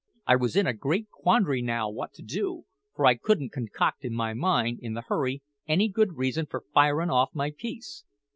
I was in a great quandary now what to do, for I couldn't concoct in my mind, in the hurry, any good reason for firin' off my piece.